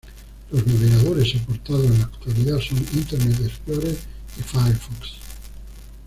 Los navegadores soportados en la actualidad son Internet Explorer y FireFox.